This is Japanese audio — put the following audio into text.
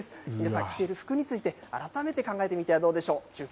皆さん、着ている服について、改めて考えてみてはどうでしょう？